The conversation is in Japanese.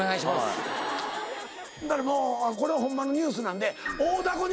ならもうこれはホンマのニュースなんで。